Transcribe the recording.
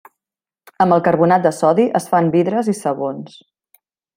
Amb el carbonat de sodi es fan vidres i sabons.